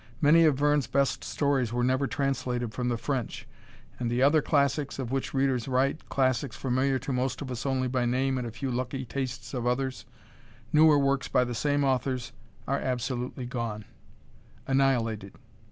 Many of Verne's best stories were never translated from the French. And the other classics of which readers write, classics familiar to most of us only by name and a few lucky tastes of others, newer works by the same authors, are absolutely gone annihilated.